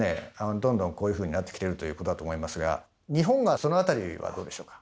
どんどんこういうふうになってきているということだと思いますが日本はその辺りはどうでしょうか。